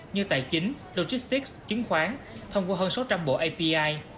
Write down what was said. như tài chính logistics chứng khoán thông qua hơn sáu trăm linh bộ api